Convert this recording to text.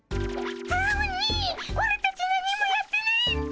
アオニイオラたち何もやってないっピ。